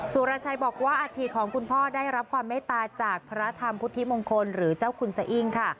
สุรชัยบอกว่าอาทิตของคุณพ่อได้รับความเมตตาจากพระธรรมพุทธิมงคลหรือเจ้าคุณสะอิ้งค่ะ